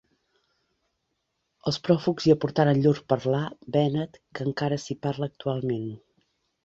Els pròfugs hi aportaren llur parlar vènet que encara s'hi parla actualment.